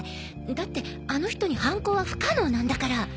だってあの人に犯行は不可能なんだから。